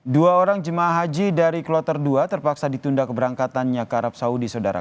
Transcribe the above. dua orang jemaah haji dari kloter dua terpaksa ditunda keberangkatannya ke arab saudi saudara